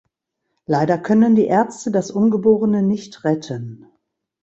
Leider können die Ärzte das Ungeborene nicht retten.